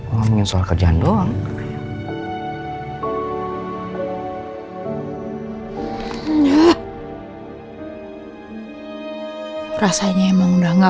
ngomongin soal kerjaan doang